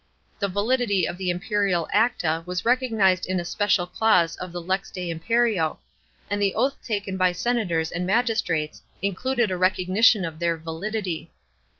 The validity of the imperial acta was recognised in a special clause of the lex de imperio, and the oath taken by senators and magistrates included a recognition of their validity.